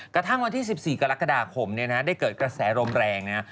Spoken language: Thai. กระทั่งวันที่๑๔กรกฎาคมได้เกิดกระแสลมแรงนะ